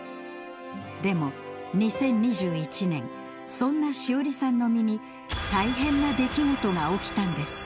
でも２０２１年そんな紫織さんの身に大変な出来事が起きたんです。